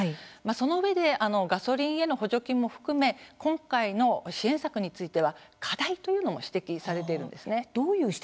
そのうえでガソリンへの補助金も含め今回の支援策については課題というのも指摘されているんですね。